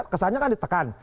kesannya kan ditekan